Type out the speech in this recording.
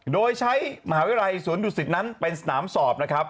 โดยใช้มหาวิทยาลัยสวนดุสิตนั้นเป็นสนามสอบนะครับ